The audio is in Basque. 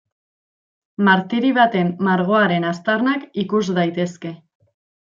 Martiri baten margoaren aztarnak ikus daitezke.